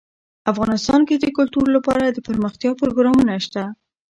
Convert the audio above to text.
افغانستان کې د کلتور لپاره دپرمختیا پروګرامونه شته.